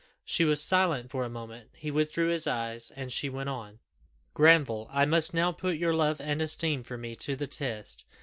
She was silent for a moment, he withdrew his eyes, and she went on. "Granville! I must now put your love and esteem for me to the test.